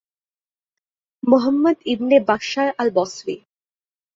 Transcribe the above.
মুহাম্মদ ইবনে বাশশার আল-বসরি